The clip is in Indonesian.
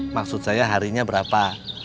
maksud saya harinya berapa